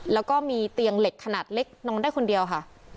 แล้วก็มีเตียงเหล็กขนาดเล็กนอนได้คนเดียวค่ะ